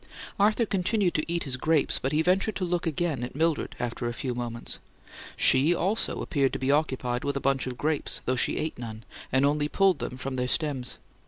Arthur continued to eat his grapes, but he ventured to look again at Mildred after a few moments. She, also, appeared to be occupied with a bunch of grapes though she ate none, and only pulled them from their stems.